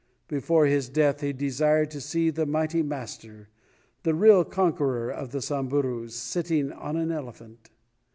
Before his death he desired to see the mighty master, the real conqueror of the Samburus, sitting on an elephant.